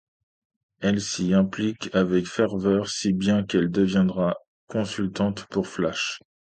Elle s’y implique avec ferveur, si bien qu’elle deviendra consultante pour Flash.